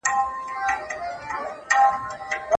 دولت د اتباعو امنیت ساته.